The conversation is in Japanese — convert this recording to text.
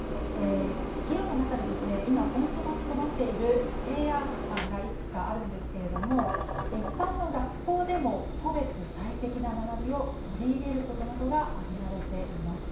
議論の中で今ポイントとなっている提言案がいくつかあるんですが一般の学校に個別最適な学びを取り入れることなどが挙げられています。